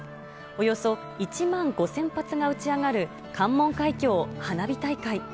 およそ１万５０００発が打ち上がる関門海峡花火大会。